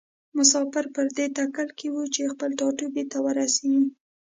مسافر پر دې تکل کې وي چې خپل ټاټوبي ته ورسیږي.